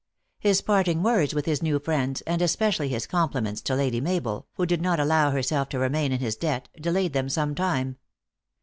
His parting words with his new friends, and especially his compliments to Lady Mabel, who did not allow herself to remain in his debt, delayed them some time.